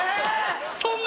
そんな！